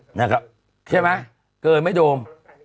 ใช่ไหมเกินไม่โดม